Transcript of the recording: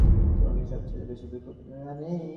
সুচরিতা কহিল, বাবা, এতে তোমাকেই সব চেয়ে বেশি দুঃখ পেতে হবে।